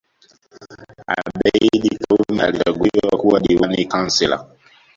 Abeid Karume alichaguliwa kuwa diwani Councillor